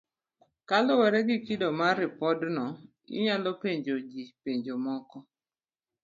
Kaluwore gi kido mar ripodno, inyalo penjo ji penjo moko,